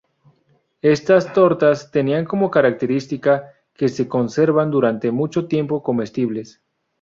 Estas tortas tenían como característica que se conservan durante mucho tiempo comestibles.